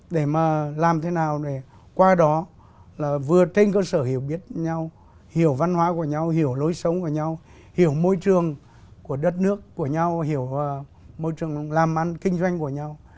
để mà làm thế nào để qua đó là vừa trên cơ sở hiểu biết nhau hiểu văn hóa của nhau hiểu lối sống của nhau hiểu môi trường của đất nước của nhau hiểu môi trường làm ăn kinh doanh của nhau